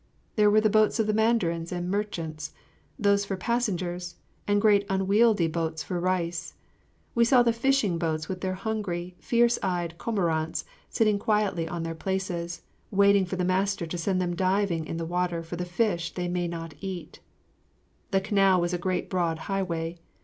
There were the boats of mandarins and merchants, those for passengers, and great unwieldy boats for rice. We saw the fishing boats with their hungry, fierce eyed cormorants sitting quietly in their places, waiting for the master to send them diving in the water for the fish they may not eat. [Illustration: Mylady08.] [Illustration: Mylady09.] The canal was a great broad highway.